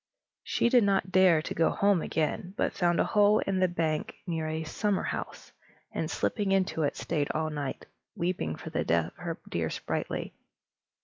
She did not dare to go home again, but found a hole in the bank near a summerhouse, and slipping into it, stayed all night, weeping for the death of her dear Sprightly.